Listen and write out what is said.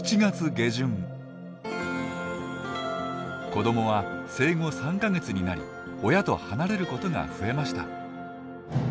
子どもは生後３か月になり親と離れることが増えました。